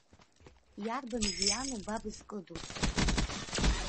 Иарбан жәҩану ба бызкыду.